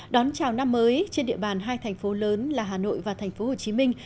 đón chào năm mới trên địa bàn hai thành phố lớn là hà nội và thành phố hồ chí minh